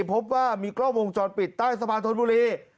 พบว่ามีกล้องวงจรปิดใต้สะพานธนบุรี